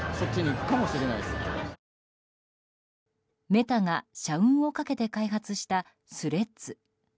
メタが社運をかけて開発したスレッズ。